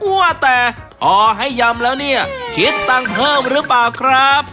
ว่าแต่พอให้ยำแล้วเนี่ยคิดตังค์เพิ่มหรือเปล่าครับ